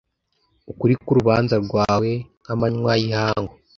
ukuri k’urubanza rwawe nk’amanywa y’ihangu.